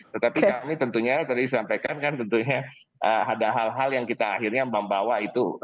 tetapi kami tentunya tadi sampaikan kan tentunya ada hal hal yang kita akhirnya membawa itu